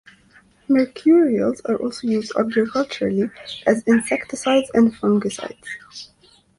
Mercurials are also used agriculturally as insecticides and fungicides.